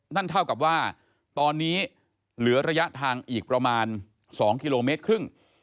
นั่นเท่ากับว่าตอนนี้เหลือระยะทางอีกประมาณ๒กิโลเมตรครึ่ง